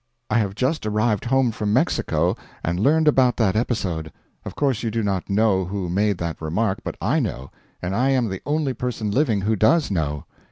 I have just arrived home from Mexico, and learned about that episode. Of course you do not know who made that remark, but I know, and I am the only person living who does know.